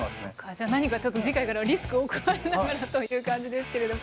じゃ何か次回からはリスクを加えながらという感じですけれども。